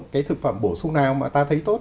cái thực phẩm bổ sung nào mà ta thấy tốt